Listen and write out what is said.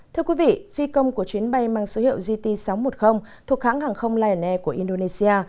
thưa quý vị phi công của chuyến bay mang số hiệu gt sáu trăm một mươi thuộc hãng hàng không lion air của indonesia